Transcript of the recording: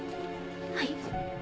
はい。